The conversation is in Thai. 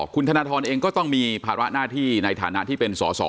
คุณธนทรเองก็ต้องมีภาระหน้าที่ในฐานะที่เป็นสอสอ